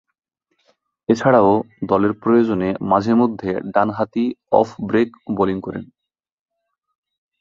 এছাড়াও দলের প্রয়োজনে মাঝে-মধ্যে ডানহাতি অফ ব্রেক বোলিং করেন।